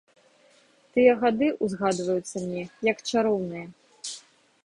Тыя гады ўзгадваюцца мне як чароўныя.